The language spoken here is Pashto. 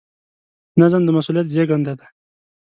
نظم د مسؤلیت زېږنده دی.